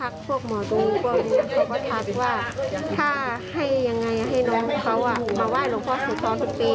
เขาก็ทักพวกหมอดูพวกนี้